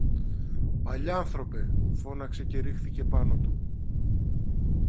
Παλιάνθρωπε! φώναξε και ρίχθηκε πάνω του